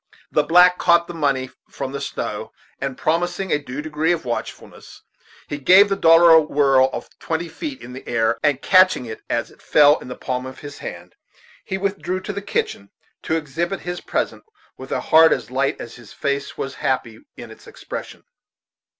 The black caught the money from the snow, and promising a due degree of watchfulness, he gave the dollar a whirl of twenty feet in the air, and catching it as it fell in the palm of his hand, he withdrew to the kitchen, to exhibit his present, with a heart as light as his face was happy in its expression.